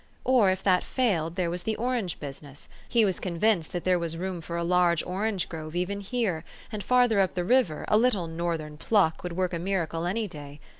Or, if that failed, there was the orange business. He was convinced that there was room for a large orange grove even here ; and, farther up the river, a little Northern pluck would work a miracle any day.